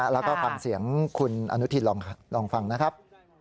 แล้วก็ฟังเสียงคุณอนุทินลองฟังนะครับ